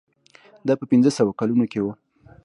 دا په پنځه سوه کلونو کې و.